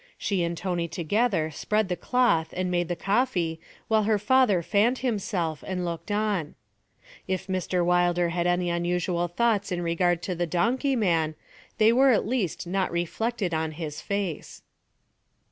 She and Tony together spread the cloth and made the coffee while her father fanned himself and looked on. If Mr. Wilder had any unusual thoughts in regard to the donkey man, they were at least not reflected in his face.